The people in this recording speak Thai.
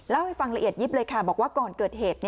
เล่าให้ฟังละเอียดยิบเลยค่ะบอกว่าก่อนเกิดเหตุ